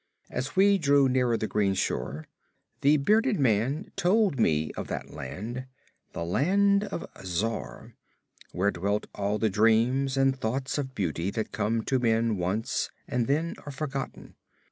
As we drew nearer the green shore the bearded man told me of that land, the Land of Zar, where dwell all the dreams and thoughts of beauty that come to men once and then are forgotten.